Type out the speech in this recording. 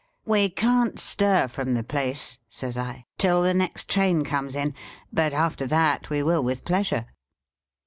' We can't stir from the place,' says I, ' till the next train comes in ; but after that, we will with pleasure.'